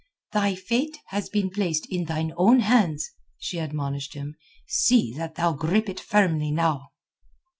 "Thy fate has been placed in thine own hands," she admonished him. "See that thou grip it firmly now."